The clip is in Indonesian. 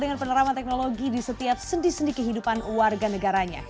dan kali ini terkenal dengan teknologi di setiap sendi sendi kehidupan warga negaranya